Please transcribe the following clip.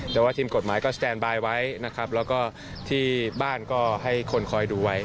แต่ว่าทีมกฎหมายก็สแตนบายไว้นะครับแล้วก็ที่บ้านก็ให้คนคอยดูไว้